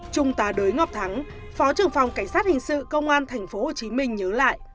chúng ta đới ngọp thắng phó trưởng phòng cảnh sát hình sự công an tp hcm nhớ lại